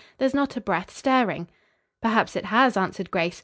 There is not a breath stirring." "Perhaps it has," answered Grace.